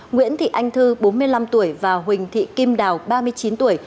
nguyễn thị anh thư bốn mươi năm tuổi và huỳnh thị kim đào ba mươi chín tuổi